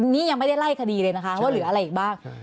นี่ยังไม่ได้ไล่คดีเลยนะคะว่าเหลืออะไรอีกบ้าง